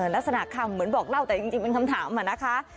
ลักษณะคำเหมือนบอกเล่าแต่จริงเป็นคำถามอะนะคะ